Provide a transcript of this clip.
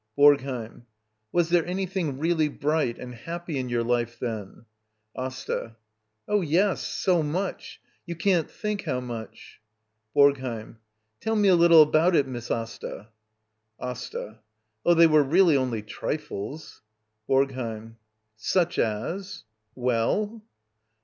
BoRGHEiM. Was there anything really bright and happy in your life then ? AsTA. Oh, yes; so much. You can't think how much. BoRGHEiM. Tell me a little about it, Miss Asta. AsTA. Oh, they were really only trifles. BoRGHEiM. Such as —? Well